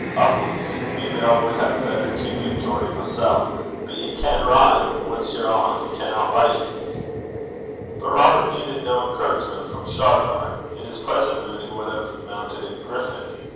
Up wi' ye. Maybe I wad hae better keepit Geordie mysel'. But ye can ride. Ance ye're on, he canna bite ye.' But Robert needed no encouragement from Shargar. In his present mood he would have mounted a griffin.